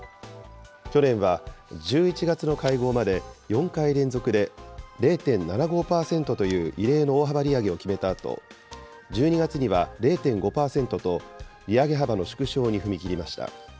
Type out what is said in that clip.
去年は１１月の会合まで４回連続で０．７５％という異例の大幅利上げを決めたあと、１２月には０．５％と、利上げ幅の縮小に踏み切りました。